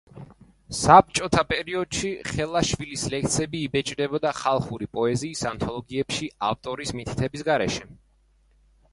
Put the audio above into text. საბჭოთა პერიოდში ხელაშვილის ლექსები იბეჭდებოდა ხალხური პოეზიის ანთოლოგიებში ავტორის მითითების გარეშე.